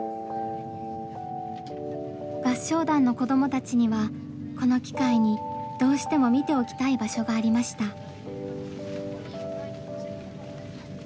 合唱団の子どもたちにはこの機会にどうしても見ておきたい場所がありました。